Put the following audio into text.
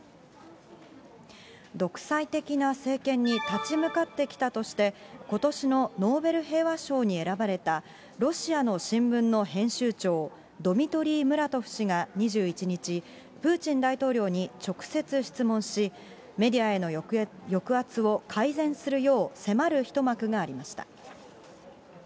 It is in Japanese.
独裁的な政権に立ち向かってきたとして、ことしのノーベル平和賞に選ばれた、ロシアの新聞の編集長、ドミトリー・ムラトフ氏が２１日、プーチン大統領に直接質問し、メディアへの抑圧を改善するよう迫る一幕がありました。